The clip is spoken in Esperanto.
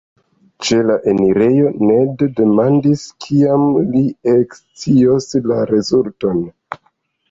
Ĉe la enirejo, Ned demandis kiam li ekscios la rezulton.